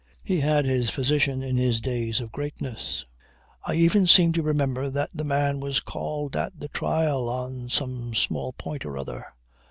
He had his physician in his days of greatness. I even seem to remember that the man was called at the trial on some small point or other.